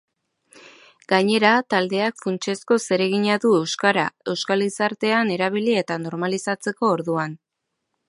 Gainera, taldeak funtsezko zeregina du euskara euskal gizartean erabili eta normalizatzeko orduan.